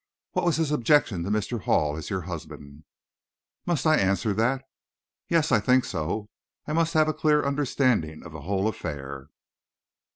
"What was his objection to Mr. Hall as your husband?" "Must I answer that?" "Yes; I think so; as I must have a clear understanding of the whole affair."